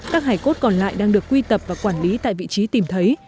các hải cốt còn lại đang được quy tập và quản lý tại vị trí tìm thấy